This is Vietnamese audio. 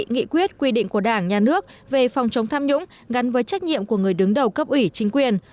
nghị quyết quy định của đảng nhà nước về phòng chống tham nhũng gắn với trách nhiệm của người đứng đầu cấp ủy chính quyền